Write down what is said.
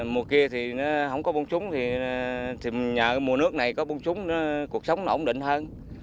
mùa kia thì nó không có bông trúng thì nhờ mùa nước này có bông trúng nó cuộc sống nó ổn định hơn